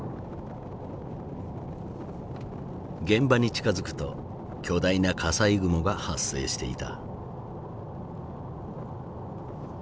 現場に近づくと巨大な火災雲が発生していた。